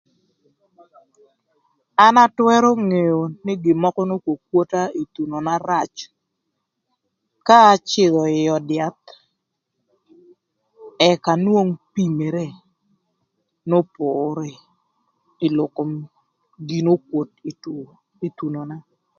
An atwërö ngeo nï gin mökö n'okwokwota ï thunona rac, ka acïdhö ï öd yath ëk anwong pimere n'opore ï lok kom gin n'okwot ï thunona.